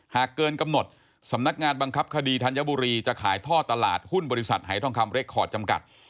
หากเกินกำหนดสำนักงานบังคับคดีธัญบุรีจะขายท่อตลาดหุ้นบริษัทหายทองคำเรคคอร์ดจำกัด